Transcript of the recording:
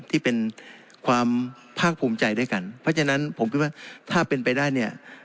ที่เป็นความภาคภูมิใจด้วยกันเพราะฉะนั้นผมคิดว่าถ้าเป็นไปได้เนี่ย